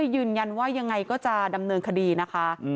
ยืนยันว่ายังไงก็จะดำเนินคดีนะคะ